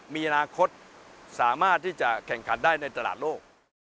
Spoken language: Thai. มีอนาคตสามารถที่จะแข่งขันได้ในตลาดโลก